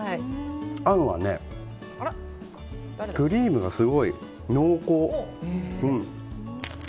あんはね、クリームがすごい濃厚。